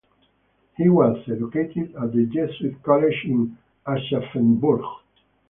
He was educated at the Jesuit College in Aschaffenburg.